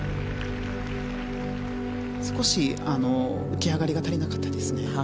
少し浮き上がりが足りなかったですね。